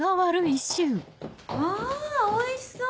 わおいしそう。